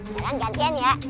nyerang gantian ya